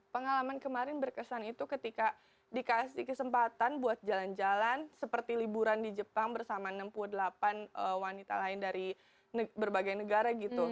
pengalaman kemarin berkesan itu ketika dikasih kesempatan buat jalan jalan seperti liburan di jepang bersama enam puluh delapan wanita lain dari berbagai negara gitu